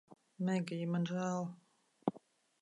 Megij, man žēl